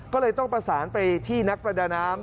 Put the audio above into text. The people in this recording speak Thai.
ก็เลยต้องประสานไปที่นักประดาน้ำ